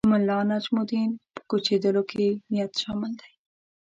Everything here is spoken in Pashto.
د ملانجم الدین په کوچېدلو کې نیت شامل دی.